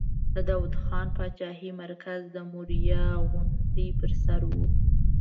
د داود د پاچاهۍ مرکز د موریا غونډۍ پر سر و.